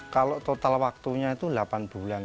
kalau total waktunya itu delapan bulan